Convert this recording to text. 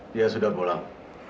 dia sudah pulang